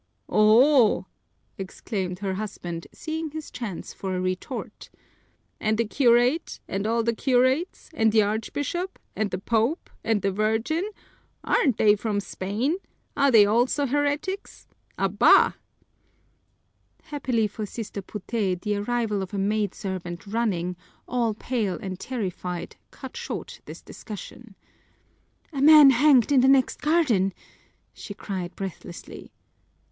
"Oho!" exclaimed her husband, seeing his chance for a retort, "and the curate, and all the curates, and the Archbishop, and the Pope, and the Virgin aren't they from Spain? Are they also heretics? Abá!" Happily for Sister Puté the arrival of a maidservant running, all pale and terrified, cut short this discussion. "A man hanged in the next garden!" she cried breathlessly.